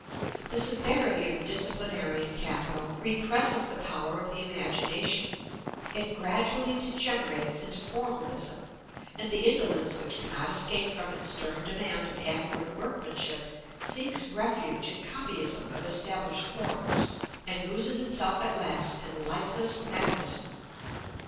The severity of the disciplinarian capital represses the power of the imagination; it gradually degenerates into Formalism; and the indolence which cannot escape from its stern demand of accurate workmanship, seeks refuge in copyism of established forms, and loses itself at last in lifeless mechanism.